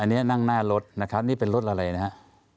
อันนี้นั่งหน้ารถนะครับนี่เป็นรถอะไรนะครับ